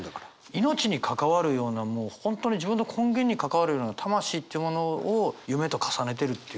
命に関わるようなもう本当に自分の根源に関わるような魂っていうものを夢と重ねてるっていう。